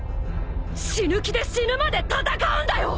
死ぬ気で死ぬまで戦うんだよ！